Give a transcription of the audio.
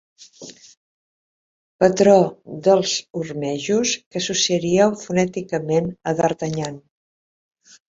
Patró dels ormejos que associaríeu fonèticament a D'Artagnan.